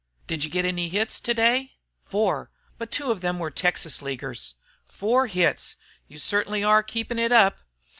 "Did you get any hits today?" "Four, but two of them were Texas leaguers." "Four hits! You certainly are keeping it up.